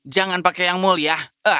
jangan pakai yang mulia